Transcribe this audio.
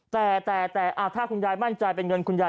แต่แต่ถ้าคุณยายมั่นใจเป็นเงินคุณยาย